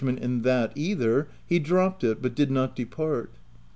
35 ment in that either, he dropped it, but did not depart.